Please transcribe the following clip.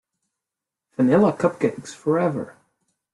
Vanilla cupcakes forever.